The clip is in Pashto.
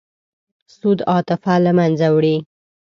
سود عاطفه له منځه وړي.